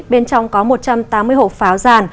bên trong có một trăm tám mươi hộp phá